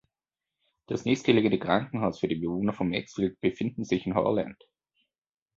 Das nächstgelegene Krankenhaus für die Bewohner von Maxfield befindet sich in Howland.